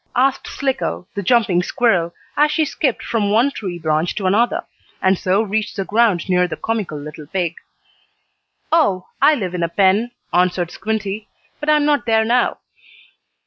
asked Slicko, the jumping squirrel, as she skipped from one tree branch to another, and so reached the ground near the comical little pig. "Oh, I live in a pen," answered Squinty, "but I'm not there now."